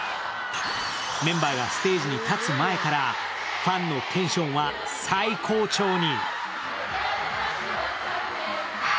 メンバーがステージに立つ前からファンのテンションは最高潮に。